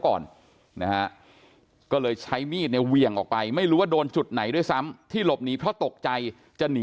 ก่อนนะฮะก็เลยใช้มีดเนี่ยเหวี่ยงออกไปไม่รู้ว่าโดนจุดไหนด้วยซ้ำที่หลบหนีเพราะตกใจจะหนี